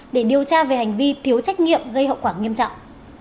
để điều tra về hành vi thiếu trách nhiệm gây hậu quả nghiêm trọng